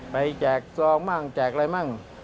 แจกซองมั่งแจกอะไรมั่ง